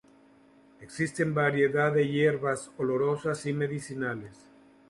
Existen variedad de hierbas olorosas y medicinales.